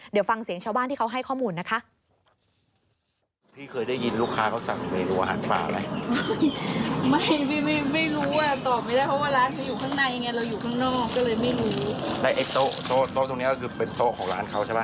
เดี๋ยวฟังเสียงชาวบ้านที่เขาให้ข้อมูลนะคะ